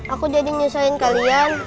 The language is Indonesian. aku jadi menyusahin kalian